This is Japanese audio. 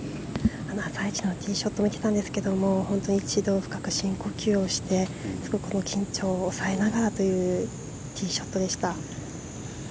朝一のティーショットを見ていたんですが本当に一度深く深呼吸をしてすごく緊張されながらというティーショットでした。